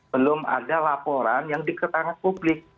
belum ada laporan yang diketahui publik